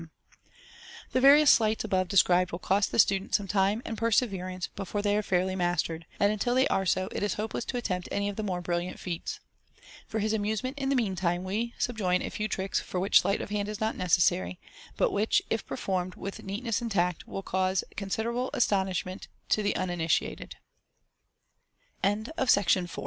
M The various sleights above described will cost the student some time and perseverance before they are fairly mastered, and until they are so it is hopeless to attempt any of the more brilliant feats. Foi his amusement in the meantime, we subjoin a few tricks for which •leight of hand is not necessary, but which, if performed with neat and tact, will cause considerable astonis